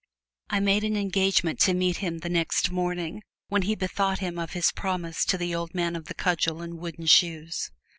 I made an engagement to meet him the next morning, when he bethought him of his promise to the old man of the cudgel and wooden shoes.